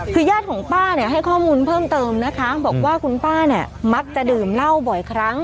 คือญาติของป้าเนี่ยให้ข้อมูลเพิ่มเติมนะคะบอกว่าคุณป้าเนี่ยมักจะดื่มเหล้าบ่อยครั้ง